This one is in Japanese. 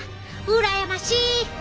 うらやましい！